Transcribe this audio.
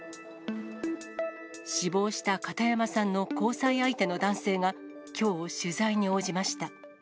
死亡した片山さんの交際相手の男性がきょう、取材に応じました。